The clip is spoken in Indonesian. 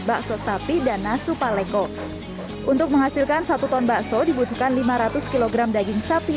bakso sapi dan nasu paleko untuk menghasilkan satu ton bakso dibutuhkan lima ratus kg daging sapi